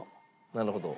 なるほど。